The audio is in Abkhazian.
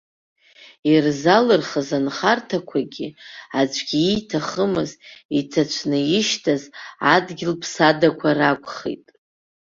Ирзалырхыз анхарҭақәагьы, аӡәгьы ииҭахымыз, иҭацәны ишьҭаз адгьыл ԥсадақәа ракәхеит.